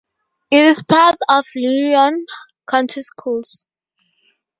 It is a part of Leon County Schools.